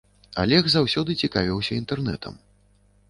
Алег заўсёды цікавіўся інтэрнэтам.